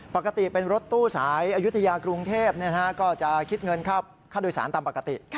ปกติเป็นรถตู้สายอยุธยากรุงเทพฯจะคริสต์เงินคราวตัวสร้างตามปกติ